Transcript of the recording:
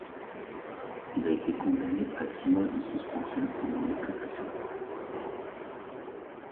Il a été condamné à six mois de suspension pendant l'Occupation.